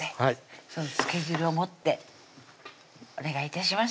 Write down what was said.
その漬け汁を盛ってお願い致します